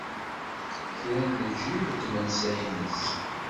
kra n leǧyub n tmelsa-ines.